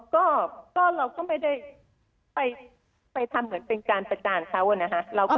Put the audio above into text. ก็เราก็ไม่ได้ไปทำเหมือนเป็นการประจานเขานะฮะ